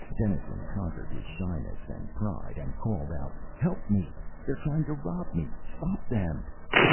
Dennison conquered his shyness and pride, and called out, "Help me! They're trying to rob me! Stop them!"